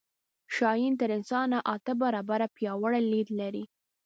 شاهین تر انسان اته برابره پیاوړی لید لري